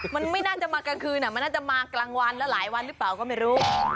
มันไม่น่าจะมากลางคืนมันน่าจะมากลางวันแล้วหลายวันหรือเปล่าก็ไม่รู้